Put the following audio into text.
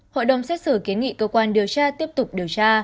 hội đồng xét xử kiến nghị cơ quan điều tra tiếp tục điều tra